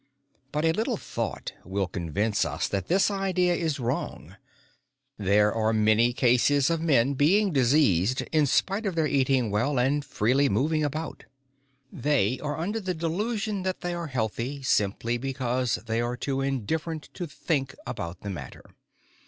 But a little thought will convince us that this idea is wrong. There are many cases of men being diseased, in spite of their eating well and freely moving about. They are under the delusion that they are healthy, simply because they are too indifferent to think about the matter.